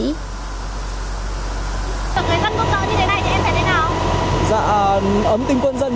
các người dân quốc gia như thế này thì em thấy thế nào